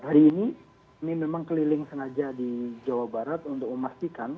hari ini kami memang keliling sengaja di jawa barat untuk memastikan